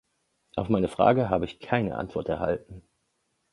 Auf meine Fragen habe ich keine Antwort erhalten.